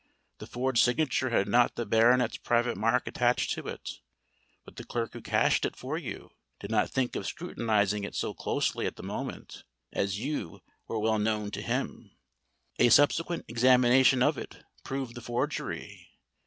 The forged signature had not the baronet's private mark attached to it; but the clerk who cashed it for you, did not think of scrutinising it so closely at the moment, as you were well known to him. A subsequent examination of it proved the forgery.